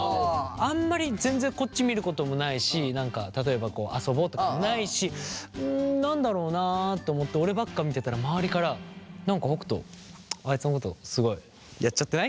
あんまり全然こっち見ることもないし何か例えば遊ぼうとかもないしん何だろうなと思って俺ばっか見てたら周りから「何か北斗あいつのことすごいやっちゃってない？」